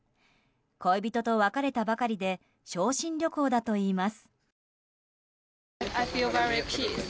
恋人と別れたばかりで傷心旅行だといいます。